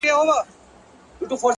ه بيا دي سترگي سرې ښكاريږي-